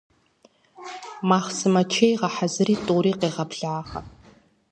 Махъсымэ чей гъэхьэзыри, тӏури къегъэблагъэ.